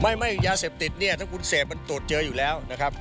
ไม่ไม่ยาเสพติดเนี่ยถ้าคุณเสพมันตรวจเจออยู่แล้วนะครับ